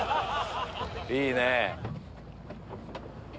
いいね。